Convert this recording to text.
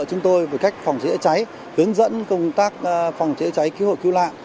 chúng tôi với cách phòng chữa cháy hướng dẫn công tác phòng chữa cháy cứu hồi cứu lạ